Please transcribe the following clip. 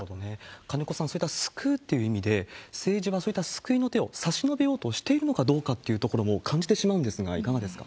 金子さん、そういった救うっていう意味で、政治はそういった救いの手を差し伸べようとしているのかどうかってところも感じてしまうんですが、いかがですか？